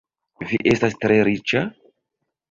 Vi estas tre riĉa?